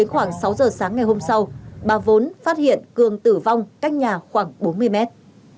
khoảng sáu giờ sáng ngày hôm sau bà vốn phát hiện cường tử vong cách nhà khoảng bốn mươi mét